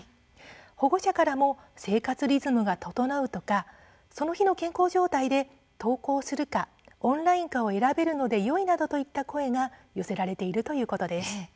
保護者からも生活リズムが整うとかその日の健康状態で登校するかオンラインかを選べるのでよいなどといった声が寄せられているということです。